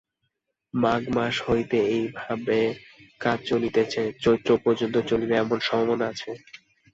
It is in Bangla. মাঘ মাস হইতে এইভাবে কাজ চলিতেছে, চৈত্র পর্যন্ত চলিবে এমন সম্ভাবনা আছে।